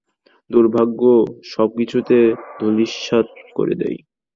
দুর্ভাগ্য সবকিছুকে ধূলিস্যাৎ করে দেয়।